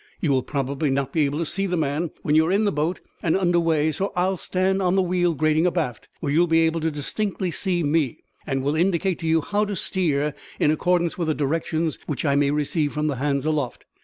You will probably not be able to see the man when you are in the boat and under way, so I will stand on the wheel grating abaft, where you will be able to distinctly see me, and will indicate to you how to steer in accordance with the directions which I may receive from the hands aloft.